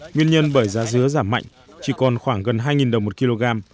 nguyên nhân bởi giá dứa giảm mạnh chỉ còn khoảng gần hai đồng một kg